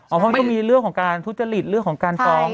อ๋อเพราะมันต้องมีเรื่องของการทุจริตของการปอง